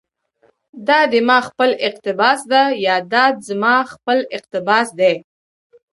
دا دي ما خپل اقتباس ده، يا دا زما خپل اقتباس دى